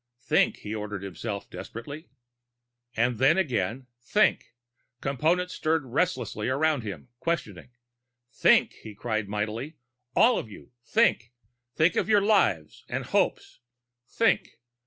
"Think," he ordered himself desperately. And then again: "Think!" Components stirred restlessly around him, questioning. "Think!" he cried mightily. "All of you, think! Think of your lives and hopes! "Think!